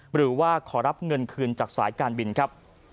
หรือว่าขอรับเงินคืนจากสายการบินครับ